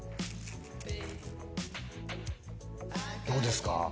どうですか？